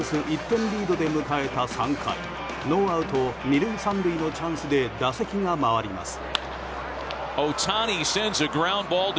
１点リードで迎えた３回ノーアウト２塁３塁のチャンスで打席が回ります。